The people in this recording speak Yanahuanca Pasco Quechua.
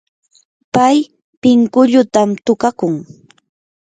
pay pinkullutam tukakun.